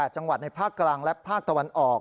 จังหวัดในภาคกลางและภาคตะวันออก